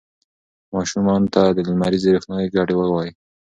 ماشومانو ته د لمریزې روښنايي ګټې ووایئ.